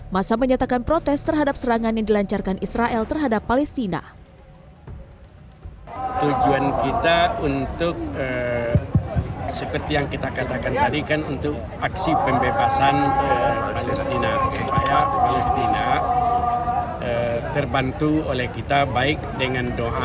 masa menyatakan protes terhadap serangan yang dilancarkan israel terhadap palestina